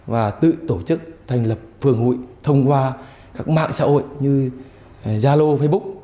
và tự tổ chức thành lập phường hội thông qua các mạng xã hội như zalo facebook